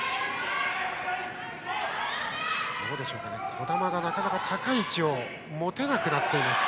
児玉がなかなか高い位置を持てなくなっています。